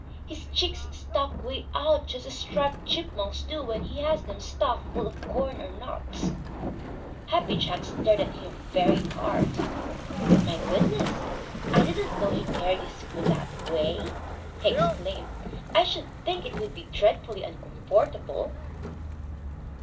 His cheeks stuck way out just as Striped Chipmunk's do when he has them stuffed full of corn or nuts. Happy Jack stared at him very hard. "My goodness, I didn't know he carried his food that way!" he exclaimed. "I should think it would be dreadfully uncomfortable."